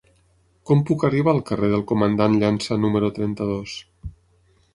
Com puc arribar al carrer del Comandant Llança número trenta-dos?